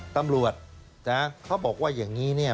ตำรวจนะเขาบอกว่าอย่างนี้เนี่ย